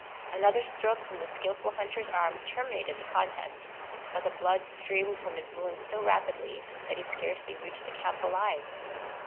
Another stroke from the skilful hunter's arm terminated the contest; but the blood streamed from his wound so rapidly, that he scarcely reached the camp alive.